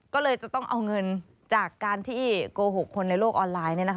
ก็เลยจะต้องเอาเงินจากการที่โกหกคนในโลกออนไลน์